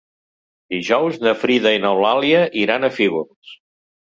Dijous na Frida i n'Eulàlia iran a Fígols.